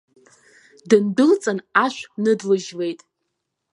Дындәылҵын, ашә ныдлыжьлеит.